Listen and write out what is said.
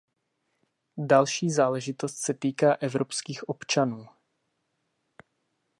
Další záležitost se týká evropských občanů.